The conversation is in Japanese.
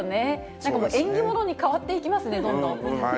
なんかもう、縁起物に変わっていきますね、どんどん。